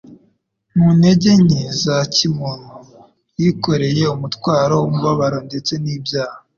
Mu ntege nke za kimuntu, yikoreye umutwaro w'umubabaro ndetse n'ibyaha,